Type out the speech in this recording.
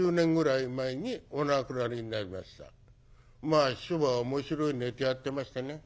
まあ師匠は面白いネタやってましたね。